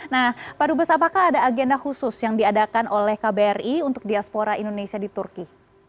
nah pak dubes apakah ada agenda khusus yang diadakan oleh kbri untuk diaspora indonesia di turki